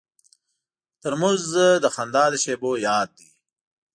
ترموز د خندا د شیبو یاد دی.